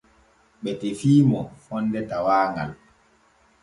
Ɓe tefi mo fonde tawaaŋal.